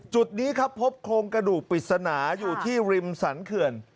จุดนี้ครับพบโครงกระดูกปริศนาอยู่ที่ริมสรรเขื่อน